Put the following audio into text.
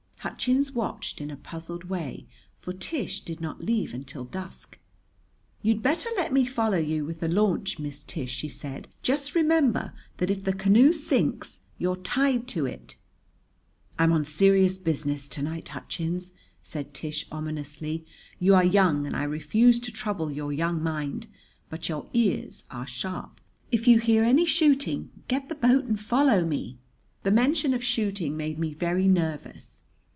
Hutchins watched in a puzzled way, for Tish did not leave until dusk. "You'd better let me follow you with the launch, Miss Tish," she said. "Just remember that if the canoe sinks you're tied to it." "I'm on serious business to night, Hutchins," Tish said ominously. "You are young, and I refuse to trouble your young mind; but your ears are sharp. If you hear any shooting, get the boat and follow me." The mention of shooting made me very nervous.